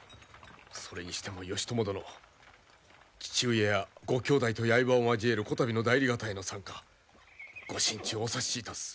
それにしても義朝殿父上やご兄弟とやいばを交えるこたびの内裏方への参加ご心中お察しいたす。